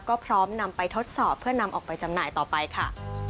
ก็พร้อมนำไปทดสอบเพื่อนำออกไปจำหน่ายต่อไปค่ะ